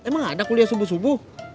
emang ada kuliah subuh subuh